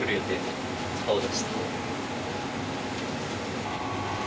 顔出した。